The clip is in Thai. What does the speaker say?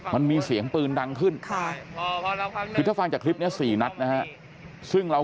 มันมีเสียงปืนดังขึ้นคือถ้าฟังจากคลิปนี้๔นัดนะฮะซึ่งเรา